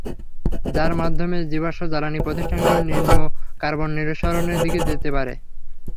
যার মাধ্যমে জীবাশ্ম জ্বালানি প্রতিষ্ঠানগুলো নিম্ন কার্বন নিঃসরণের দিকে যেতে পারে।